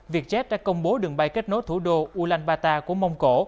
vietjet đã công bố đường bay kết nối thủ đô ulaanbaatar của mông cổ